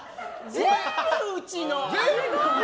全部うちの。